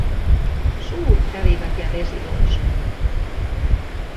Suut kävivät ja vesi loiskui.